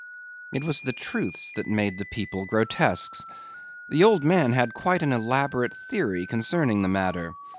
It was the truths that made the people grotesques. The old man had quite an elaborate theory concerning the matter.